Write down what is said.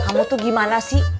kamu tuh gimana sih